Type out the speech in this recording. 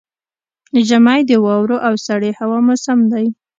ژمی د واورو او سړې هوا موسم دی.